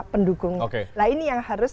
pendukungnya lainnya yang harus